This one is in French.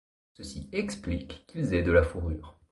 Ceci explique qu'ils aient de la fourrure.